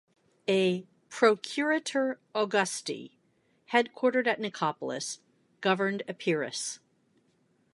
A "procurator Augusti" headquartered at Nicopolis governed Epirus.